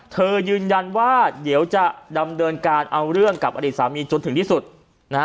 ยืนยันว่าเดี๋ยวจะดำเนินการเอาเรื่องกับอดีตสามีจนถึงที่สุดนะฮะ